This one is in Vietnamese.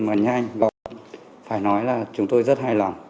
và phải nói là chúng tôi rất hài lòng